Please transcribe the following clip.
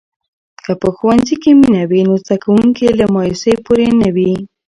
که په ښوونځي کې مینه وي، نو زده کوونکي له مایوسۍ پورې نه وي.